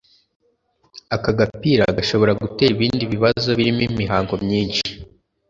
Aka gapira gashobora gutera ibindi bibazo birimo imihango myinshi